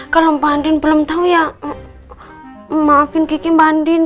kalau mbak andin belum tau ya maafin geki mbak andin